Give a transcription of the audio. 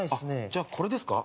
じゃあこれですか？